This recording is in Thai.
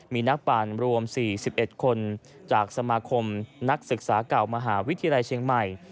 มีนักปั่นรวม๔๑คนจากสมาคมนักศึกษาเก่ามหาวิทยาลัยเชียงใหม่